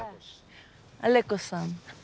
アレコスさん。